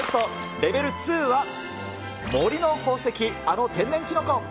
レベル２は、森の宝石、あの天然キノコ。